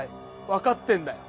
分かってんだよ。